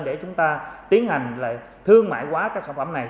để chúng ta tiến hành thương mại quá các sản phẩm này